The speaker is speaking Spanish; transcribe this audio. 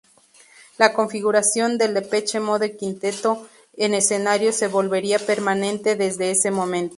La configuración del Depeche Mode quinteto en escenarios se volvería permanente desde ese momento.